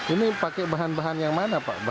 ini pakai bahan bahan yang mana pak